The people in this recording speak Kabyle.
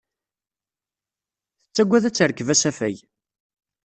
Tettagad ad terkeb asafag.